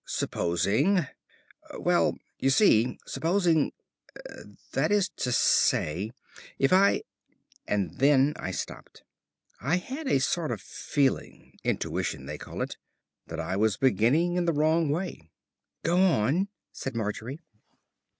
"Supposing well you see, supposing, that is to say, if I " and then I stopped. I had a sort of feeling intuition, they call it that I was beginning in the wrong way. "Go on," said Margery.